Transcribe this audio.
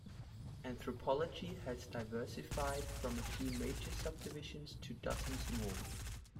Anthropology has diversified from a few major subdivisions to dozens more.